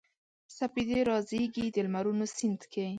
سپیدې رازیږي د لمرونو سیند کې